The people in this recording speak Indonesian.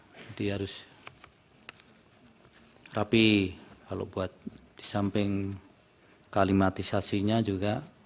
jadi harus rapi kalau buat di samping kalimatisasinya juga